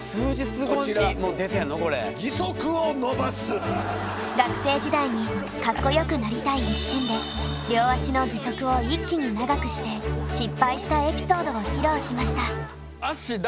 こちら学生時代にカッコよくなりたい一心で両足の義足を一気に長くして失敗したエピソードを披露しました。